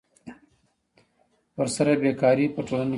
ورسره بېکاري په ټولنه کې زیاتېږي